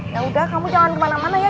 ya udah kamu jangan kemana mana ya